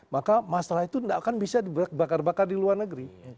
maka masalah itu tidak akan bisa dibakar bakar di luar negeri